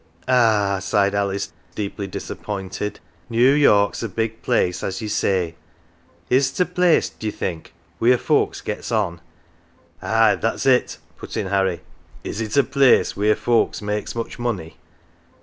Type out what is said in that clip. " Ah," sighed Alice, deeply disappointed. " New 239 "OUR JOE" York's a big place, as ve say. Is't a place, d'ye think, wheer folks get's on ?"" Ah, that's it,"" put in Harry ;" is it a place wheer folks makes much money